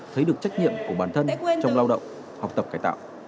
thấy được trách nhiệm của bản thân trong lao động học tập cải tạo